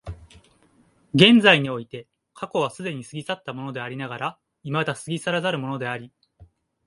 現在において過去は既に過ぎ去ったものでありながら未だ過ぎ去らざるものであり、